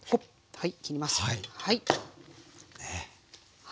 はい。